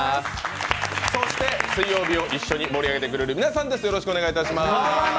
水曜日を一緒に盛り上げてくれる皆さんです。